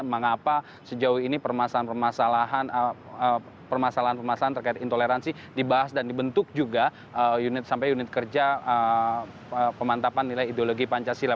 mengapa sejauh ini permasalahan permasalahan terkait intoleransi dibahas dan dibentuk juga unit sampai unit kerja pemantapan nilai ideologi pancasila